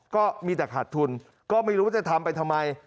ก็มีแต่ขาดทุนก็ไม่รู้ว่าจะทำไปทำไม